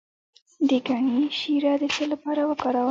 د ګني شیره د څه لپاره وکاروم؟